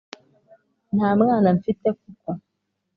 nta mwana mfite; koko